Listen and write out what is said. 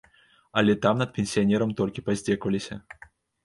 Але там над пенсіянерам толькі паздзекваліся.